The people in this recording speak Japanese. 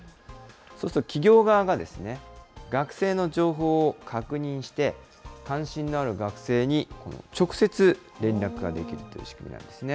そうすると、企業側が学生の情報を確認して、関心のある学生に直接連絡ができるという仕組みなんですね。